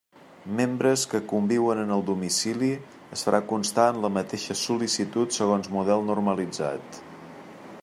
Membres que conviuen en el domicili, es farà constar en la mateixa sol·licitud segons model normalitzat.